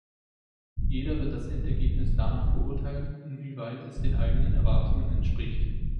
Jeder wird das Endergebnis danach beurteilen, inwieweit es den eigenen Erwartungen entspricht.